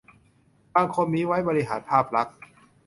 บางคนมีไว้บริหารภาพลักษณ์